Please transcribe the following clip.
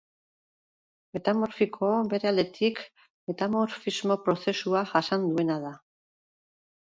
Metamorfiko, bere aldetik, metamorfismo prozesua jasan duena da.